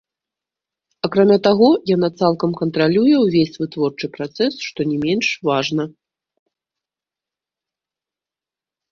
Акрамя таго, яна цалкам кантралюе ўвесь вытворчы працэс, што не менш важна.